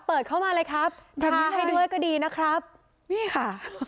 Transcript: เปิดเข้ามาเลยครับท้าให้ด้วยก็ดีนะครับนี่ค่ะ